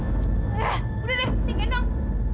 eh udah deh tinggal dong